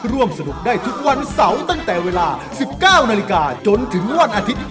ร่วมสนุกได้ทุกวันเสาร์ตั้งแต่เวลา๑๙นาฬิกาจนถึงวันอาทิตย์